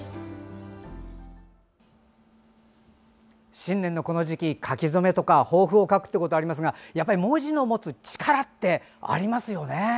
新年のこの時期書き初めとか抱負を書くことがありますが文字のもつ力ってありますよね。